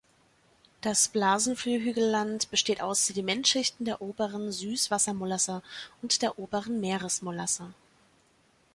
Das Blasenflue-Hügelland besteht aus Sedimentschichten der Oberen Süsswassermolasse und der Oberen Meeresmolasse.